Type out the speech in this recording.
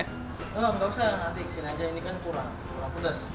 oh nggak usah nanti kesini aja ini kan kurang kurang pedas